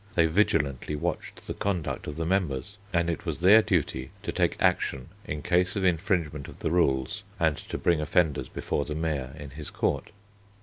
They vigilantly watched the conduct of the members, and it was their duty to take action in case of infringement of the rules and to bring offenders before the Mayor in his court.